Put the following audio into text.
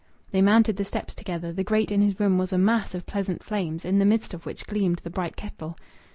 They mounted the steps together. The grate in his room was a mass of pleasant flames, in the midst of which gleamed the bright kettle.